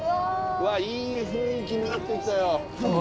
うわっいい雰囲気になってきたよ。